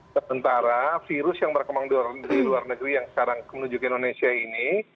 sementara virus yang berkembang di luar negeri yang sekarang menuju ke indonesia ini